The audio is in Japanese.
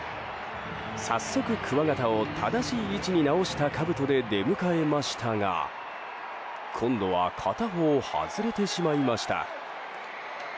早速、くわ形を正しい位置に直したかぶとで出迎えましたが今度は片方、外れてしまいました。